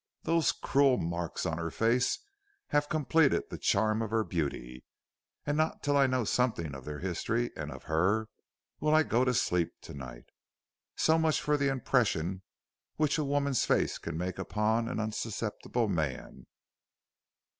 Those cruel marks on her face have completed the charm of her beauty, and not till I know something of their history and of her, will I go to sleep to night. So much for the impression which a woman's face can make upon an unsusceptible man."